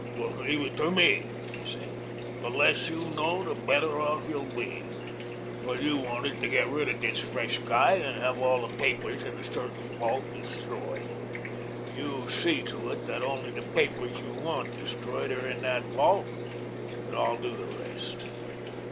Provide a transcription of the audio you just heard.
"Just leave it to me," he said. "The less you know, the better off you'll be. What you want is to get rid of this fresh guy and have all the papers in a certain vault destroyed. You see to it that only the papers you want destroyed are in that vault, and I'll do the rest."